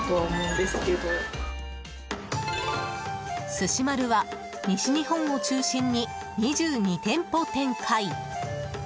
すし丸は西日本を中心に２２店舗展開。